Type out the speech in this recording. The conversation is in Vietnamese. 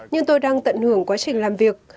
nhưng tôi đang tận hưởng quá trình làm việc